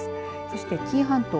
そして紀伊半島